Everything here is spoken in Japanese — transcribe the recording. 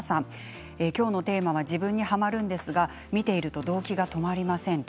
今日のテーマは自分にはまるんですが見ているとどうきが止まりません。